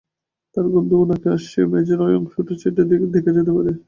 তার গন্ধও নাকে আসছেঃ মেঝের ঐ অংশ চেটে দেখা যেতে পারে।